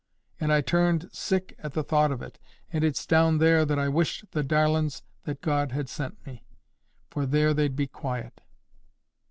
And I turned sick at the thought of it. And it's down there that I wished the darlin's that God had sent me; for there they'd be quiet."